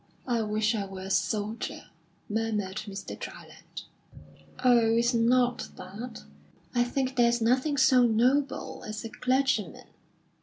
"I wish I were a soldier!" murmured Mr. Dryland. "Oh, it's not that. I think there's nothing so noble as a clergyman.